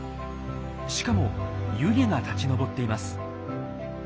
しかも湯気が立ち上っています。